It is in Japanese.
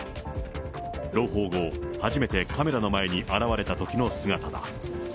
朗報後、初めてカメラの前に現れたときの姿だ。